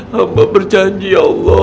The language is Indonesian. hamba berjanji ya allah